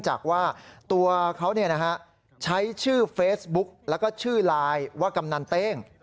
ใช้ชื่อเฟซบุ๊คและชื่อไลน์ว่ากำนันเต้ง